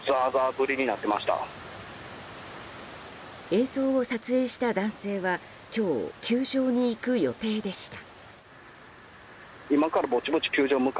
映像を撮影した男性は今日、球場に行く予定でした。